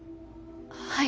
はい。